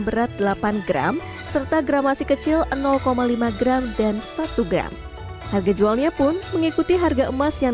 berat delapan gram serta gramasi kecil lima gram dan satu gram harga jualnya pun mengikuti harga emas yang